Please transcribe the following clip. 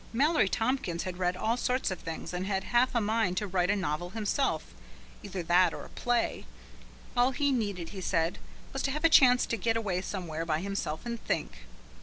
Mallory Tompkins had read all sorts of things and had half a mind to write a novel himself either that or a play. All he needed, he said, was to have a chance to get away somewhere by himself and think.